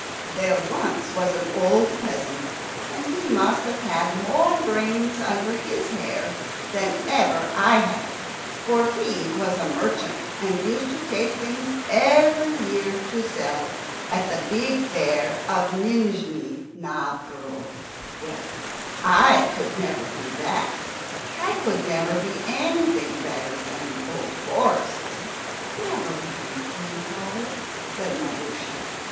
There was once an old peasant, and he must have had more brains under his hair than ever I had, for he was a merchant, and used to take things every year to sell at the big fair of Nijni Novgorod. Well, I could never do that. I could never be anything better than an old forester. "Never mind, grandfather," said Maroosia.